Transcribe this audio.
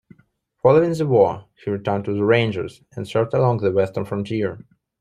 Following the war he returned to the Rangers and served along the western frontier.